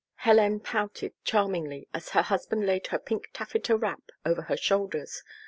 Hélène pouted charmingly as her husband laid her pink taffeta wrap over her shoulders.